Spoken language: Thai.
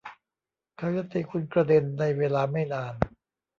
เขาจะตีคุณกระเด็นในเวลาไม่นาน